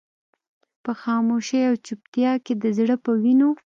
په خاموشۍ او چوپتيا کې د زړه په وينو.